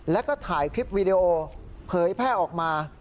แล้วก็ถ่ายคลิปวีดีโอเผยแพร่ออกมา